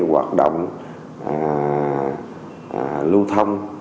lu thông lưu thông